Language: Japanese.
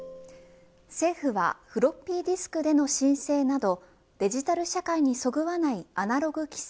政府はフロッピーディスクでの申請などデジタル社会にそぐわないアナログ規制